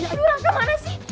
aduh raka mana sih